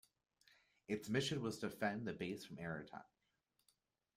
Its mission was to defend the base from air attack.